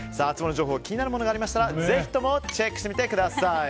ハツモノ情報気になるものがありましたらぜひともチェックしてみてください。